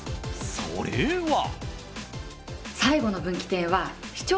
それは。